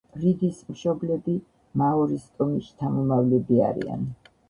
რიდის მშობლები მაორის ტომის შთამომავლები არიან.